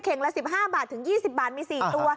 ละ๑๕บาทถึง๒๐บาทมี๔ตัว